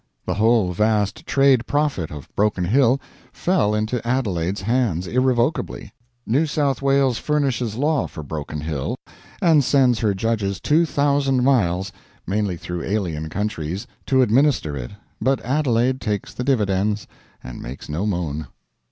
The whole vast trade profit of Broken Hill fell into Adelaide's hands, irrevocably. New South Wales furnishes law for Broken Hill and sends her Judges 2,000 miles mainly through alien countries to administer it, but Adelaide takes the dividends and makes no moan.